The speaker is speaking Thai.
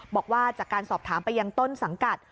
บอกว่าจากการสอบถามไปยังต้นสังกัด